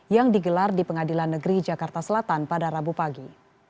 yang digelar di pengadilan negeri jakarta selatan pada rabu pagi